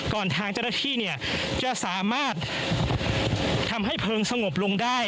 ก่อนทางจรภิกษ์เนี่ยจะสามารถทำให้เพลิงสงบลงได้